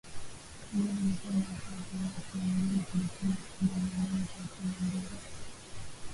Mbulu ilikuwa na wakazi laki mbili thelathini na saba mia nane themanini na mbili